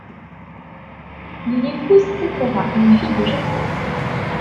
Il y épouse Séphora, une fille de Jethro.